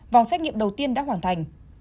vòng xét nghiệm đầu tiên đã hoàn thành